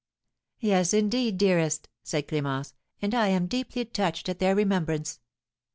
"Yes, indeed, dearest," said Clémence; "and I am deeply touched at their remembrance."